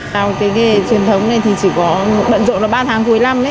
theo nghề truyền thống này thì chỉ có bận rộn là ba tháng cuối năm